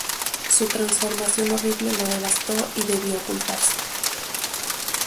Su transformación horrible lo devastó y debió ocultarse.